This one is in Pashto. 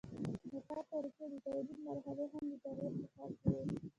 د کار طریقې او د تولید مرحلې هم د تغییر په حال کې وي.